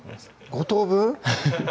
５等分？